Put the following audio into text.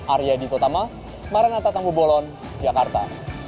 area ditotama maranatha tambu bolon jakarta